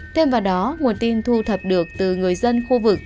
thêm vào đó nguồn tin thu thập được từ người dân khu vực